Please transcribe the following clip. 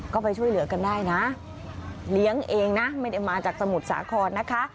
ก็ไปช่วยเหลือกันได้นะเลี้ยงเองนะไม่ได้มาจากสมุทรสาครนะคะ